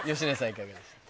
いかがでしたか？